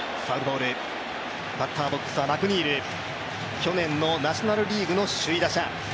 マクニールは去年のナショナル・リーグの首位打者。